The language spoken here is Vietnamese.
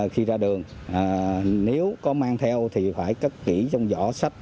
khi ra đường nếu có mang theo thì phải cất kỹ trong giỏ sách